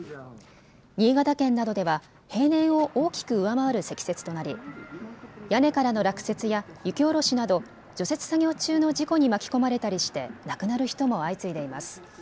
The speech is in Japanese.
新潟県などでは平年を大きく上回る積雪となり屋根からの落雪や雪下ろしなど除雪作業中の事故に巻き込まれたりして亡くなる人も相次いでいます。